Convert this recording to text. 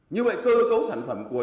như vậy cơ cấu sản phẩm của